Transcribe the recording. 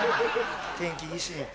天気いいし。